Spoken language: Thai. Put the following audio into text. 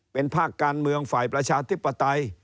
เป็นภาคการเมืองฝ่ายประชาธิปไตย